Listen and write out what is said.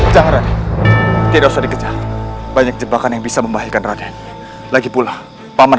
jangan radik tidak usah dikejar banyak jebakan yang bisa membahayakan rakyat lagi pula paman